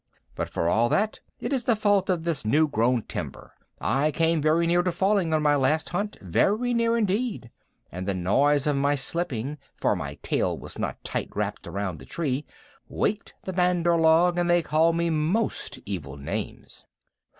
"But for all that, it is the fault of this new grown timber. I came very near to falling on my last hunt very near indeed and the noise of my slipping, for my tail was not tight wrapped around the tree, waked the Bandar log, and they called me most evil names."